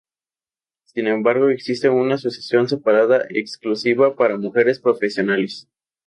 Sin embargo existe una asociación separada exclusiva para mujeres profesionales.